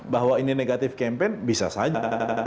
bahwa ini negatif campaign bisa saja